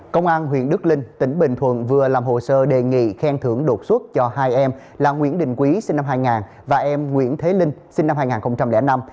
công an huyện đức linh tỉnh bình thuận vừa làm hồ sơ đề nghị khen thưởng đột xuất cho hai em là nguyễn đình quý sinh năm hai nghìn và em nguyễn thế linh sinh năm hai nghìn năm